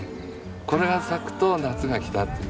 これが咲くと夏が来たって。